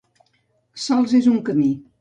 Sols és un camí.